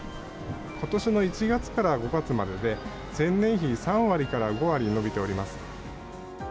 ことしの１月から５月までで、前年比３割から５割伸びております。